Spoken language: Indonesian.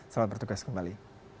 salam bertugas kembali